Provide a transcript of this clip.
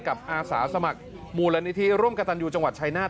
อาสาสมัครมูลนิธิร่วมกระตันยูจังหวัดชายนาฏ